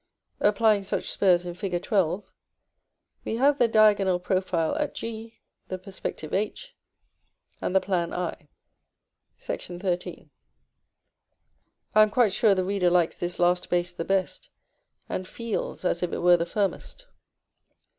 Applying such spurs in Fig. XII., we have the diagonal profile at g, the perspective h, and the plan i. § XIII. I am quite sure the reader likes this last base the best, and feels as if it were the firmest.